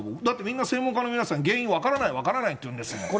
だってみんな専門家の皆さん、原因分からない、分からないって言うんですもん。